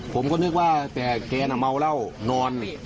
ผมก็นึกว่าแต่เกรน่าเมาแล้วนอน